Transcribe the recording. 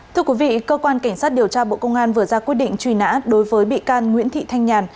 thưa quý vị cơ quan cảnh sát điều tra bộ công an vừa ra quyết định truy nã đối với bị can nguyễn thị thanh nhàn